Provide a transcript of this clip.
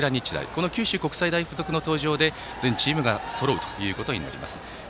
この九州国際大付属の登場で、全チームがそろうことになります。